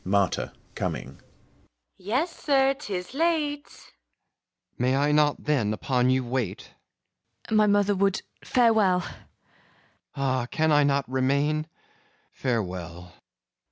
MARTHA (coming) Yes, Sir, 'tis late. FAUST May I not, then, upon you wait? MARGARET My mother would farewell! FAUST Ah, can I not remain? Farewell!